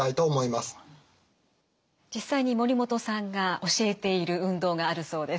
実際に森本さんが教えている運動があるそうです。